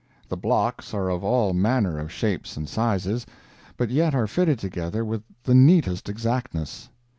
The blocks are of all manner of shapes and sizes, but yet are fitted together with the neatest exactness.